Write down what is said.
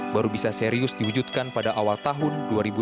baru bisa serius diwujudkan pada awal tahun dua ribu dua puluh